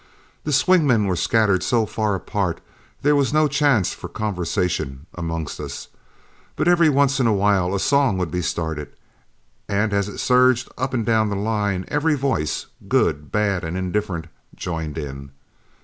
The swing men were scattered so far apart there was no chance for conversation amongst us, but every once in a while a song would be started, and as it surged up and down the line, every voice, good, bad, and indifferent, joined in.